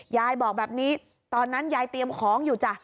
ยายบอกแบบนี้ตอนนั้นยายเตรียมของอยู่จ้ะ